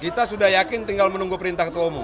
kita sudah yakin tinggal menunggu perintah ketua umum